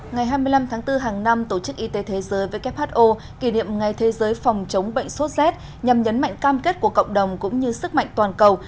ngày hai mươi năm tháng bốn hàng năm tổ chức y tế thế giới who kỷ niệm ngày thế giới phòng chống bệnh sốt z nhằm nhấn mạnh cam kết của cộng đồng cũng như sức mạnh toàn cầu